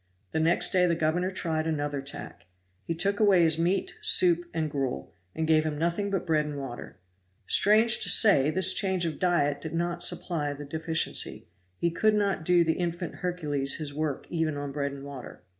The next day the governor tried another tack. He took away his meat soup and gruel, and gave him nothing but bread and water. Strange to say, this change of diet did not supply the deficiency; he could not do the infant Hercules his work even on bread and water.